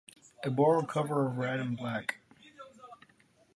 It bore a cover of red and black.